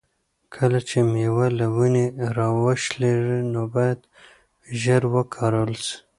کله چې مېوه له ونې را وشلیږي نو باید ژر وکارول شي.